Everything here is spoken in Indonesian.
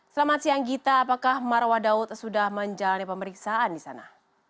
selamat siang gita apakah marwah daud sudah menjalani pemeriksaan di sana